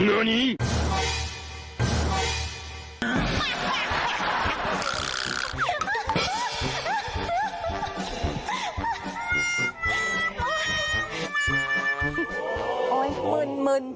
โอ้ยมึน